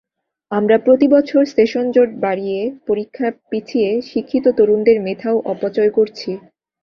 আমরা প্রতিবছর সেশনজট বাড়িয়ে পরীক্ষা পিছিয়ে শিক্ষিত তরুণদের মেধাও অপচয় করছি।